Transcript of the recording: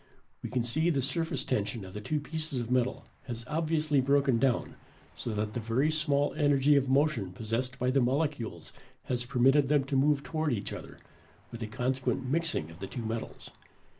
We can see the surface tension of the two pieces of metal has obviously broken down so that the small energy of motion possessed by the molecules has permitted them to move toward each other, with a consequent mixing of the two metals.